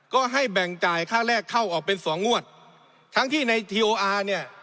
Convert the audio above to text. ก็ให้แบ่งจ่ายค่าแรกเข้าออกเป็นสองงวดทั้งที่ในทีโออาร์เนี่ย